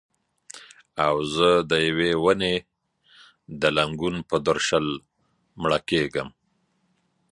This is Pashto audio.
او زه د یوې ونې د لنګون پر درشل مړه کیږم